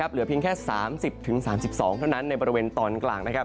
เหลือเพียงแค่๓๐๓๒เท่านั้นในบริเวณตอนกลาง